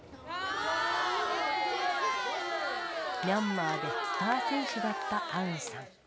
ミャンマーでスター選手だったアウンさん。